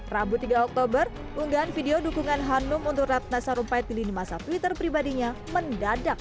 rabu tiga oktober unggahan video dukungan hanum untuk ratna sarumpait di lini masa twitter pribadinya mendadak